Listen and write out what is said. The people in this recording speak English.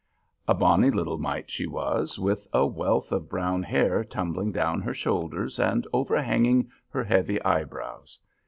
A bonny little mite she was, with a wealth of brown hair tumbling down her shoulders and overhanging her heavy eyebrows.